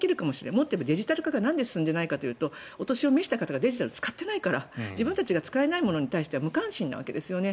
もっと言えばデジタル化がなんで進んでいないかというとお年を召した方がデジタルを使っていないから自分たちが使えないものに対して無関心なんですね。